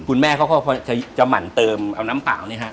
คุณแม่เขาก็จะหมั่นเติมเอาน้ำเปล่าเนี่ยฮะ